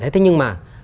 thế nhưng mà